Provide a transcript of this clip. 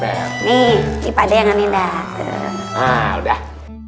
nih ini pade yang aneh dah